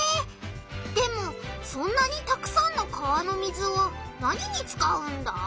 でもそんなにたくさんの川の水を何に使うんだ？